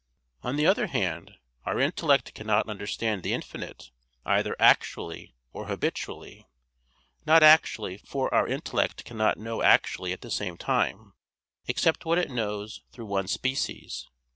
On the other hand, our intellect cannot understand the infinite either actually or habitually. Not actually, for our intellect cannot know actually at the same time, except what it knows through one species.